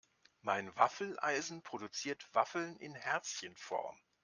Mein Waffeleisen produziert Waffeln in Herzchenform.